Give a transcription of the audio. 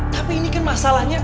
tapi ini kan masalahnya